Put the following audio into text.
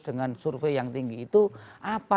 dengan survei yang tinggi itu apa